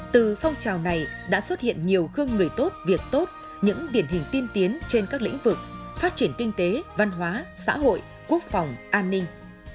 từ phong trào này đã xuất hiện nhiều gương người tốt việc tốt những điển hình tiên tiến trên các lĩnh vực phát triển kinh tế văn hóa xã hội quốc phòng an ninh